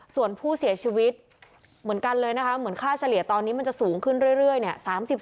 ส่วนผู้เสียชีวิตเหมือนกันเลยนะคะเหมือนค่าเฉลี่ยตอนนี้มันจะสูงขึ้นเรื่อยเนี่ย